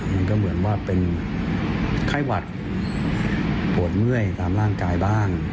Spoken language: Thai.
มันก็เหมือนว่าเป็นไข้หวัดปวดเมื่อยตามร่างกายบ้าง